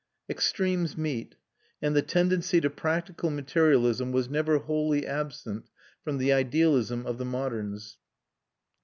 Extremes meet, and the tendency to practical materialism was never wholly absent from the idealism of the moderns.